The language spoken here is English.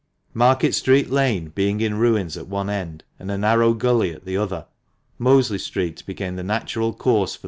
Market Street Lane being in ruins at one end, and a narrow gully at the other, Mosley Street became the natural course for 296 THE MANCHESTER MAN.